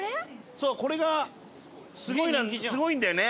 そうこれがすごいんだよね。